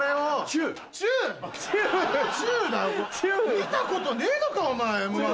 見たことねえのかお前。